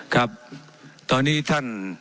ครับตอนนี้ท่าน